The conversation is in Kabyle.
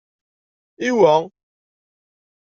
Iwa?